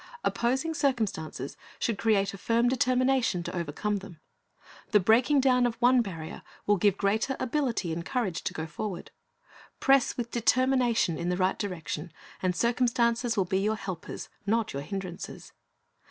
Opposing circumstances should create a firm determination to overcome them. The breaking down of one barrier will give greater ability and courage to go forward. Press Avith determination in the right direction, and circumstances will be your helpers, not your hindrances.